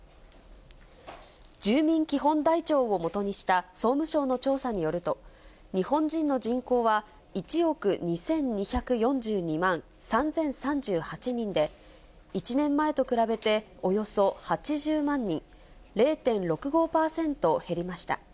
住民基本台帳をもとにした総務省の調査によると、日本人の人口は１億２２４２万３０３８人で、１年前と比べておよそ８０万人、０．６５％減りました。